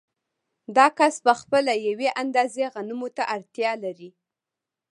دا کس په خپله یوې اندازې غنمو ته اړتیا لري